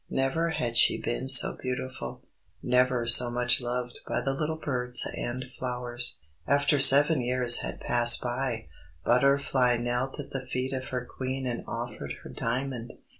Never had she been so beautiful, never so much loved by the little birds and flowers. After seven years had passed by, Butterfly knelt at the feet of her Queen and offered her diamond.